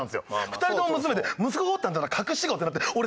２人とも娘で息子がおったんなら隠し子ってなって俺